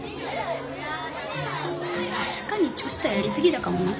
たしかにちょっとやりすぎたかもな。